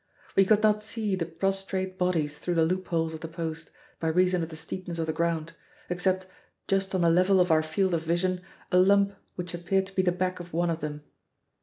We could not see the prostrate bodies through the loop holes of the post, by reason of the steepness of the ground except, just on the level of our field of vision, a lump which appeared to be the back of one of them.